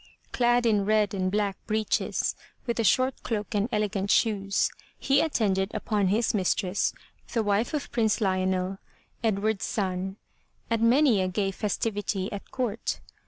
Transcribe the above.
Clad in red and black breeches, with a short cloak and elegant shoes, he attended upon his mistress, the wife of Prince Lionel, Edward's son, at many a gay festivity at court.